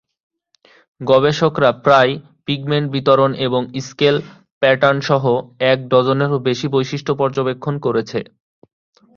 গবেষকরা প্রায়ই পিগমেন্ট বিতরণ এবং স্কেল প্যাটার্নসহ এক ডজনেরও বেশি বৈশিষ্ট্য পর্যবেক্ষণ করেছে।